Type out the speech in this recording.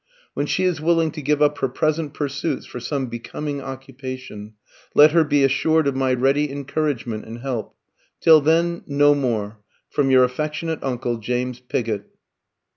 "When she is willing to give up her present pursuits for some becoming occupation, let her be assured of my ready encouragement and help. Till then, no more. From your affectionate uncle, "JAMES PIGOTT."